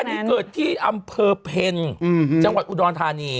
อันนี้เกิดที่อำเภอเพ็ญจังหวัดอุดรธานี